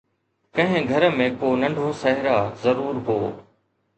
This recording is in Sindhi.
ڪنهن گهر ۾ ڪو ننڍو صحرا ضرور هو